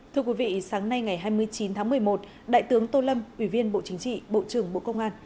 thưa quý vị sáng nay ngày hai mươi chín tháng một mươi một đại tướng tô lâm ủy viên bộ chính trị bộ trưởng bộ công an